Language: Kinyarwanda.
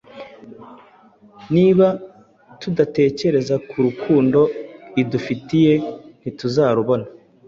Niba tudatekereza ku rukundo idufitiye, ntituzarubona.